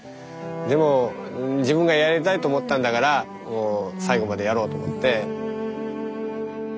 でも自分がやりたいと思ったんだからもう最後までやろうと思って。